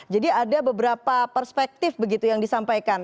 jadi ada beberapa perspektif begitu yang disampaikan